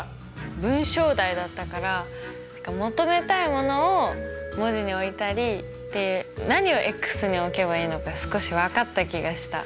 文章題だったから求めたいものを文字に置いたりって何をに置けばいいのか少し分かった気がした。